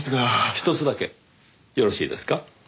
ひとつだけよろしいですか？